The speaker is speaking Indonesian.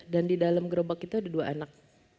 dan di dalam gerobak itu ada dua anak